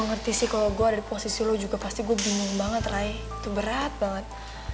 ngerti sih kalau gue ada di posisi lo juga pasti gue bingung banget ray itu berat banget